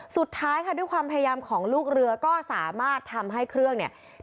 สุดท้ายค่ะด้วยความพยายามของลูกเรือก็สามารถทำให้เครื่องเนี่ย